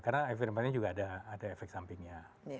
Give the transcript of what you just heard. karena ivermectin juga ada efek sampingnya